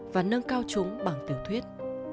và nâng cao chúng bằng tiểu thuyết